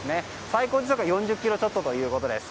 最高時速は４０キロちょっとということです。